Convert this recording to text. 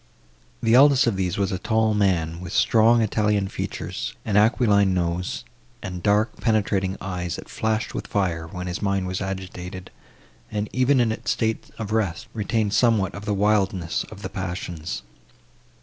The eldest of these was a tall man, with strong Italian features, an aquiline nose, and dark penetrating eyes, that flashed with fire, when his mind was agitated, and, even in its state of rest, retained somewhat of the wildness of the passions.